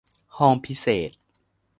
ห้องพิเศษ